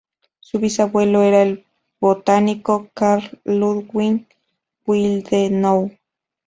Su bisabuelo era el botánico Carl Ludwig Willdenow.